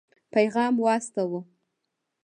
پيغام واستاوه.